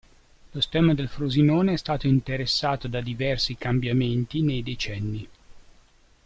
Lo stemma del Frosinone è stato interessato da diversi cambiamenti nei decenni.